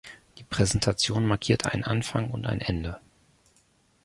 Die Präsentation markiert einen Anfang und ein Ende.